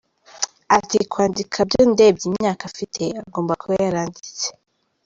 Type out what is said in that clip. Ati “Kwandika byo ndebye imyaka afite, agomba kuba yaranditse.